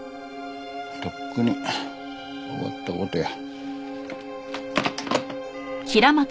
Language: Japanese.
とっくに終わった事や。